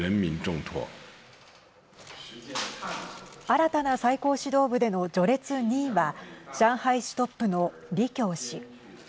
新たな最高指導部での序列２位は上海市トップの李強氏。